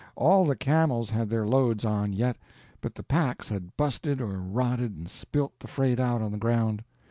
All the camels had their loads on yet, but the packs had busted or rotted and spilt the freight out on the ground.